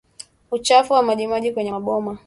Uchafu wa majimaji kwenye maboma